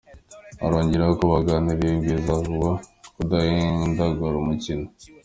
Anongeraho ko baganiriye ubyiza bo kudahindagura umukino .